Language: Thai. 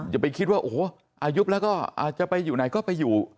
อย่าไปคิดว่าโอ้โหอายุแล้วก็จะไปอยู่ไหนก็ไปอยู่